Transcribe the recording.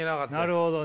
なるほどね。